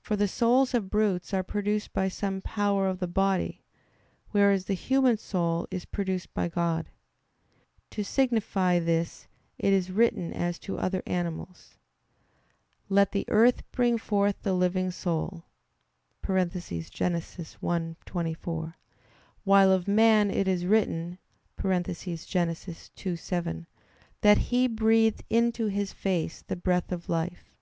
For the souls of brutes are produced by some power of the body; whereas the human soul is produced by God. To signify this it is written as to other animals: "Let the earth bring forth the living soul" (Gen. 1:24): while of man it is written (Gen. 2:7) that "He breathed into his face the breath of life."